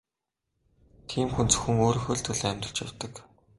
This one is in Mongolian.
Тийм хүн зөвхөн өөрийнхөө л төлөө амьдарч явдаг.